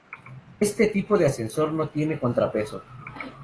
Este tipo de ascensor, no tiene contrapeso.